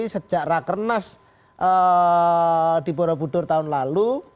sejak rakernas di borobudur tahun lalu